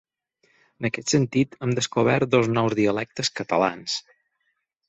En aquest sentit, hem descobert dos nous dialectes catalans.